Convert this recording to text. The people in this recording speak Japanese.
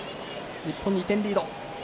日本、２点リード。